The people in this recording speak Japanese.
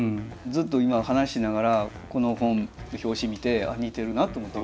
ずっと今話しながらこの本表紙見て似てるなと思って。